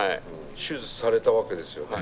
手術されたわけですよね。